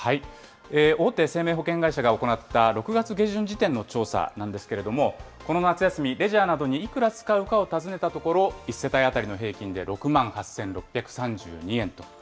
大手生命保険会社が行った６月下旬時点の調査なんですけれども、この夏休み、レジャーなどにいくら使うかを尋ねたところ、１世帯当たりの６万８６３２円と。